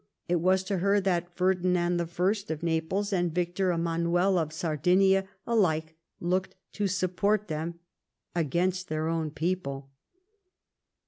It was to her that Ferdinand I. of Naples, and Victor 'Emanuel of Sardinia, alike looked to support them against their own people.